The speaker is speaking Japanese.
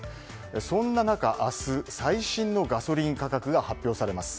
そんな中、明日最新のガソリン価格が発表されます。